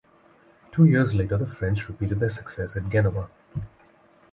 Two years later the French repeated their success at Genoa.